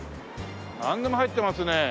なんでも入ってますね。